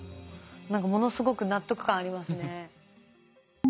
何かものすごく納得感ありますね。